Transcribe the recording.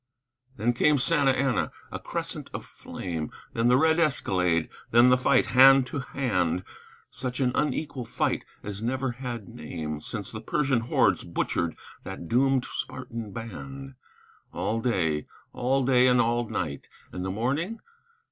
Then came Santa Ana; a crescent of flame! Then the red escalade; then the fight hand to hand; Such an unequal fight as never had name Since the Persian hordes butchered that doomed Spartan band. All day all day and all night; and the morning?